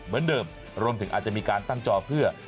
เหมือนเดิมรวมถึงอาจจะมีการตั้งจอเพื่อ